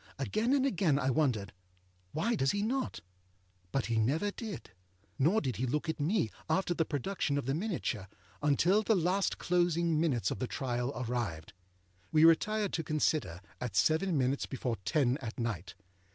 Again and again I wondered, âWhy does he not?â But he never did. Nor did he look at me, after the production of the miniature, until the last closing minutes of the trial arrived. We retired to consider, at seven minutes before ten at night.